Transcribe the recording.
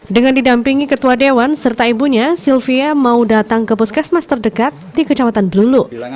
dengan didampingi ketua dewan serta ibunya sylvia mau datang ke puskesmas terdekat di kecamatan blulu